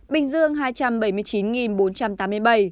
bình dương hai trăm bảy mươi chín bốn trăm tám mươi bảy ca nhiễm